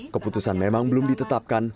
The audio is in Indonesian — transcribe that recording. keputusan memang belum ditetapkan